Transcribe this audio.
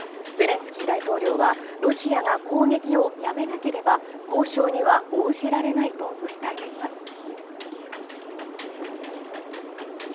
ゼレンスキー大統領はロシアが攻撃をやめなければ交渉には応じられないと訴えています。